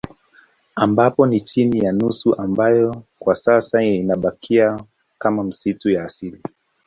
Ambapo ni chini ya nusu ambayo kwa sasa inabakia kama misitu ya asili